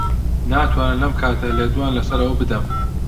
ناتوانم لەم کاتە لێدوان لەسەر ئەوە بدەم.